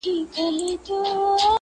د پلټني سندرماره شـاپـيـرۍ يــارانــو.